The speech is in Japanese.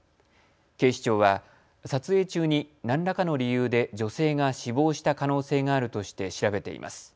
警視庁は撮影中に何らかの理由で女性が死亡した可能性があるとして調べています。